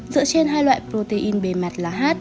dựa trên hai loại protein bề mặt là h